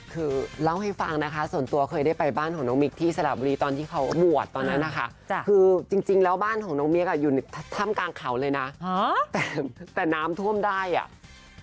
คือเล่าให้ฟังนะคะส่วนตัวเคยได้ไปบ้านของน้องมิ๊กที่สระบุรีตอนที่เขาบวชตอนนั้นนะคะคือจริงแล้วบ้านของน้องมิ๊กอ่ะอยู่ในถ้ำกลางเขาเลยนะแต่น้ำท่วมได้อ่ะ